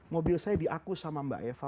mobil saya diakus sama mbak eva